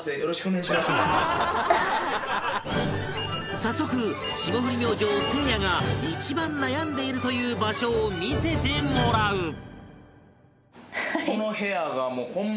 早速、霜降り明星、せいやが一番悩んでいるという場所を見せてもらうこの部屋がもうホンマ